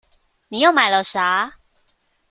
你又買了啥？